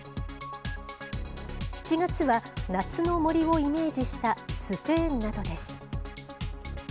７月は、夏の森をイメージしたスフェーンなどです。